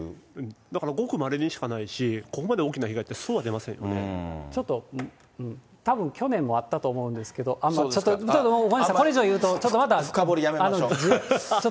だからごくまれにしかないし、ここまで大きな被害って、そうはたぶん去年もあったと思うんですけれども、ちょっと、もうごめんなさい、これ以上言うと、ち深掘りやめましょう。